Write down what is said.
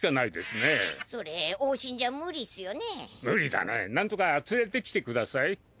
なんとか連れてきてください。